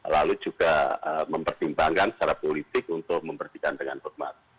lalu juga mempertimbangkan secara politik untuk membersihkan dengan hormat